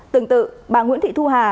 tương tự bà nguyễn thị thu hà